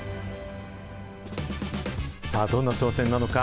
さあ、どんな挑戦なのか。